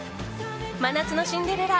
「真夏のシンデレラ」